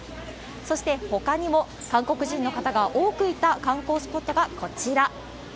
そしてほかにも、韓国人の方が多くいた観光スポットがこちら。